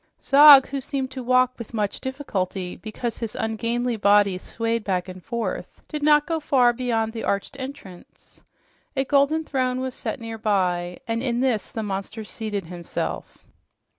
Zog, who seemed to walk with much difficulty because his ungainly body swayed back and forth, did not go far beyond the arched entrance. A golden throne was set nearby, and in this the monster seated himself.